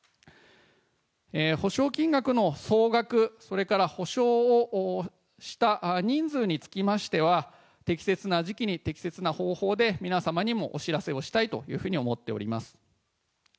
補償金額の総額、それから補償をした人数につきましては、適切な時期に適切な方法で皆様にもお知らせをしたいというふうに思っております。